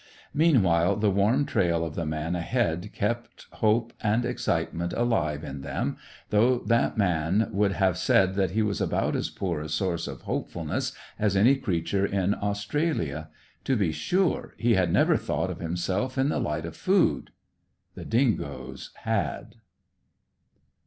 Meanwhile the warm trail of the man ahead kept hope and excitement alive in them, though that man would have said that he was about as poor a source of hopefulness as any creature in Australia. To be sure, he had never thought of himself in the light of food. The dingoes had.